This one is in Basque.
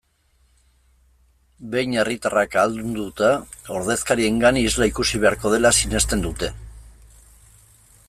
Behin herritarrak ahaldunduta, ordezkariengan isla ikusi beharko dela sinesten dute.